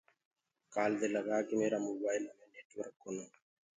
ڪآل دي لگآڪي ميرآ موبآئلو مي نيٽورڪ ڪونآ